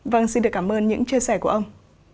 vâng xin được cảm ơn những chia sẻ của ông